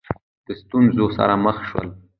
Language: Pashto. د ستونزو سره مخ شول